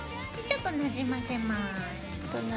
ちょっとなじませ。